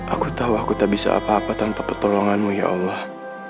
aku tahu aku tak bisa apa apa tanpa pertolonganmu ya allah